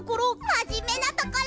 まじめなところ！